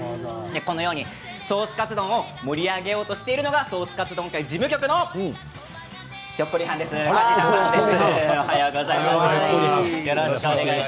このように盛り上げようとしているのがソースカツ丼事務局のひょっこりはんです、梶田さんです。